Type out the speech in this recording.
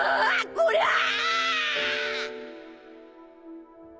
こりゃあ！